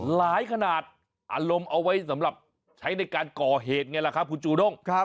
ขนาดอารมณ์เอาไว้สำหรับใช้ในการก่อเหตุไงล่ะครับคุณจูด้ง